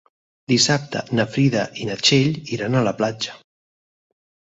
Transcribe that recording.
Dissabte na Frida i na Txell iran a la platja.